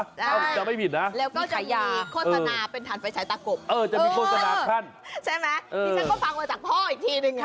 ได้แล้วก็จะมีโฆษณาเป็นฐานไฟใช้ตากบใช่ไหมนี่ฉันก็ฟังมาจากพ่ออีกทีนึงค่ะ